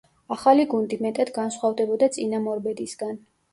ახალი გუნდი მეტად განსხვავდებოდა წინამორბედისგან.